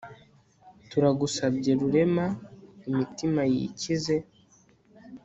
turagusabye rurema, imitima yikize